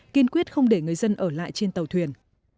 kiên quyết không để người dân ở lại trên tàu thuyền